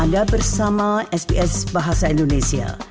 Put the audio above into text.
anda bersama sps bahasa indonesia